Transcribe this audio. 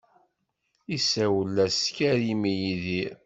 Isawel-as Karim i Yidir.